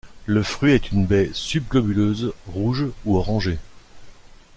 Le fruit est une baie subglobuleuse, rouge ou orangée.